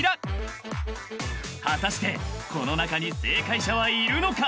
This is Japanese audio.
［果たしてこの中に正解者はいるのか？］